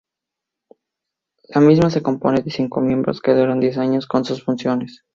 La misma se compone de cinco miembros, que duran diez años en sus funciones.